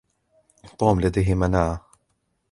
توم لديه مناعة.